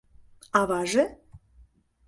Аваже?